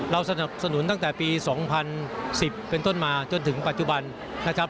สนับสนุนตั้งแต่ปี๒๐๑๐เป็นต้นมาจนถึงปัจจุบันนะครับ